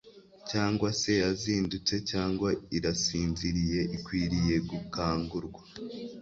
cyangwa se yazindutse cyangwa irasinziriye ikwiriye gukangurwa